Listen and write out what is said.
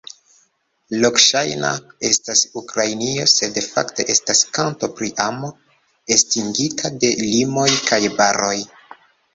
Lokŝajna estas Ukrainio sed fakte estas kanto pri amo estingita de limoj kaj baroj.